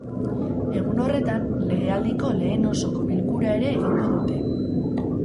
Egun horretan, legealdiko lehen osoko bilkura ere egingo dute.